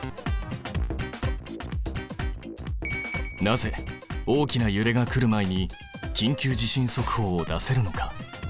なぜ大きなゆれが来るまえに「緊急地震速報」を出せるのか？